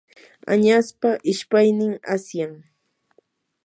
añaspa ishpaynin asyan.